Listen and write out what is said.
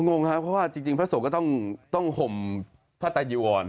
งงครับเพราะว่าจริงพระสงฆ์ก็ต้องห่มพระตายจีวร